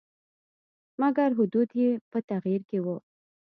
مګر حدود یې په تغییر کې وو.